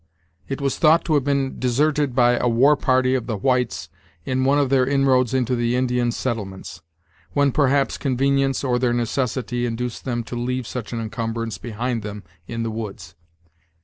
It was thought to have been deserted by a war party of the whites in one of their inroads into the Indian settlements, when, perhaps, convenience or their necessity induced them to leave such an incumberance behind them in the woods.